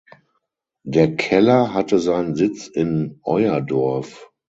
Der Keller hatte seinen Sitz in Euerdorf.